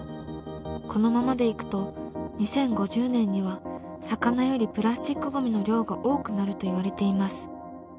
このままでいくと２０５０年には魚よりプラスチックゴミの量が多くなるといわれています。